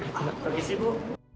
terima kasih bu